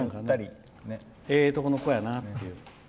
ええとこの子やなっていう。